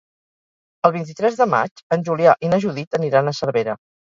El vint-i-tres de maig en Julià i na Judit aniran a Cervera.